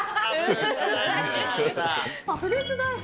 フルーツ大福。